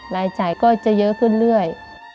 รายจ่ายก็จะเยอะขึ้นเรื่อย